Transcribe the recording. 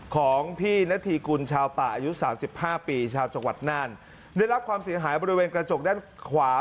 ของพี่ณฑีกุลชาวป่าอายุสามสิบห้าปีชาวจังหวัดน่านได้รับความเสียหายบริเวณกระจกด้านขวา